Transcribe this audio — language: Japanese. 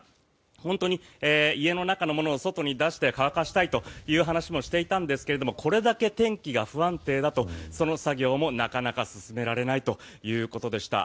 本当に家の中のものを外に出して乾かしたいという話もしていたんですがこれだけ天気が不安定だとその作業もなかなか進められないということでした。